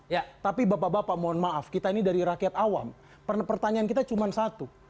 ya tapi bapak bapak mohon maaf kita ini dari rakyat awam pertanyaan kita cuma satu